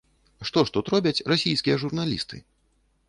Што ж тут робяць расійскія журналісты?